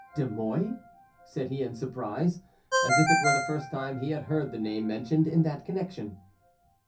"De Mouy!" said he in surprise, as if it were the first time he had heard the name mentioned in that connection.